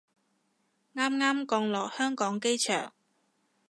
啱啱降落香港機場